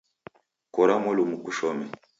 Kora mwalumu kushome